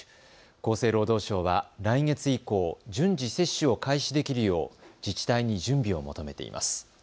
厚生労働省は来月以降、順次、接種を開始できるよう自治体に準備を求めています。